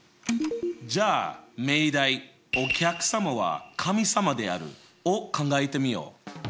じゃあ命題「お客様は神様である」を考えてみよう。